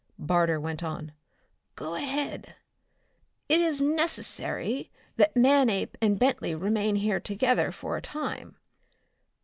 Barter went on. "Go ahead. It is necessary that Manape and Bentley remain here together for a time.